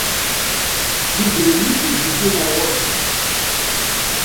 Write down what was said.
D idrimen i k-id-yewwin ar ɣur-sent.